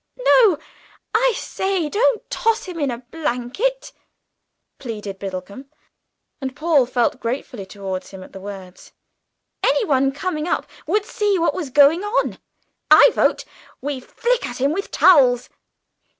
"No, I say, don't toss him in a blanket," pleaded Biddlecomb, and Paul felt gratefully towards him at the words; "anyone coming up would see what was going on. I vote we flick at him with towels."